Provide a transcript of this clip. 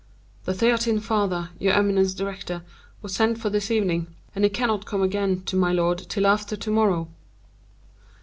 "The Theatin father, your eminence's director, was sent for this evening; and he cannot come again to my lord till after to morrow."